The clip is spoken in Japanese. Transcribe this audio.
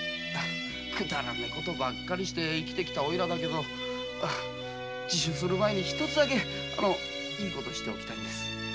くだらねえ事ばかりしてきたオイラだけど自首する前に一つだけいい事しておきたいんです。